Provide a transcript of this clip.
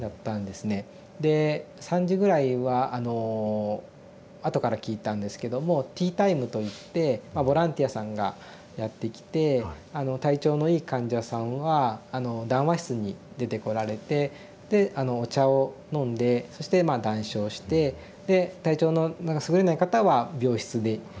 で３時ぐらいはあのあとから聞いたんですけどもティータイムといってボランティアさんがやって来て体調のいい患者さんは談話室に出てこられてでお茶を飲んでそしてまあ談笑してで体調のすぐれない方は病室にあのお茶を運ばれたりとかですね。